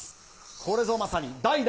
これぞまさに代打